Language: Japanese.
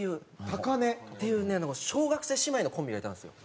たかね？っていう小学生姉妹のコンビがいたんですよ。